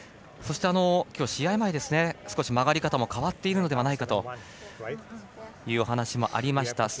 そして今日、試合前に少し曲がり方も変わっているのではないかというお話もありました。